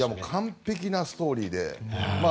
完璧なストーリーで。